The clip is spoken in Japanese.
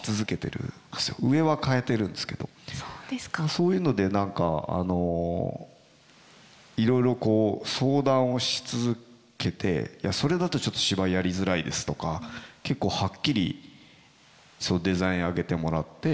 そういうので何かいろいろ相談をし続けて「いやそれだとちょっと芝居やりづらいです」とか結構はっきりデザイン上げてもらって。